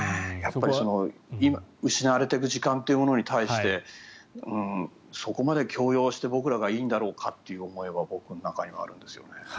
やっぱり失われていく時間というものに対してそこまで強要して僕らがいいんだろうかという思いが僕の中には、あるんですよね。